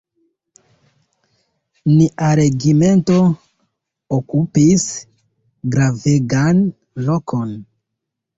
Nia regimento okupis gravegan lokon.